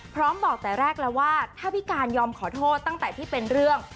บอกแต่แรกแล้วว่าถ้าพี่การยอมขอโทษตั้งแต่ที่เป็นเรื่อง